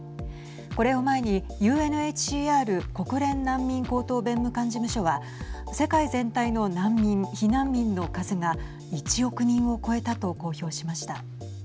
これを前にＵＮＨＣＲ＝国連難民高等弁務官事務所は世界全体の難民・避難民の数が１億人を超えたと公表しました。